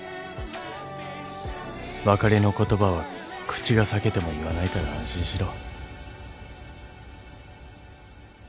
別れの言葉は口が裂けても言わないから安心しろ。